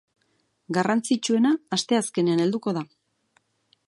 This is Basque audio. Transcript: Garrantzitsuena asteazkenean helduko da.